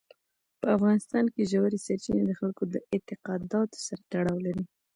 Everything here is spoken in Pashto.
په افغانستان کې ژورې سرچینې د خلکو د اعتقاداتو سره تړاو لري.